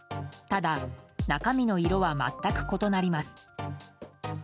ただ、中身の色は全く異なります。